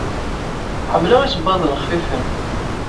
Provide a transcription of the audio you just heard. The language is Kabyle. Ḥemmleɣ isebbaḍen xfifen.